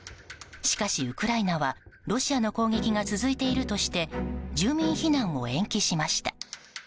しかし、ウクライナはロシアの攻撃が続いているとして住民避難を延期しました。